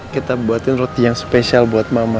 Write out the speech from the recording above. kita buatin roti yang spesial buat mama